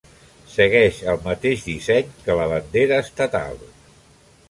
Segueix el mateix disseny que la bandera estatal.